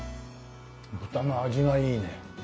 豚の味がいいね。